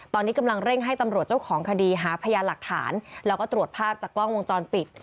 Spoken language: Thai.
ตอนนี้กำลังเร่งให้ตำรวจเจ้าของคดีหาพยานหลักฐานแล้วก็ตรวจภาพจากกล้องวงจรปิด